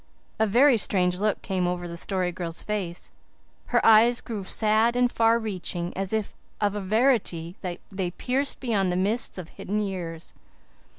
A very strange look came over the Story Girl's face; her eyes grew sad and far reaching, as if of a verity they pierced beyond the mists of hidden years.